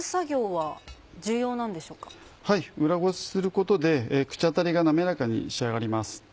はい裏ごしすることで口当たりが滑らかに仕上がります。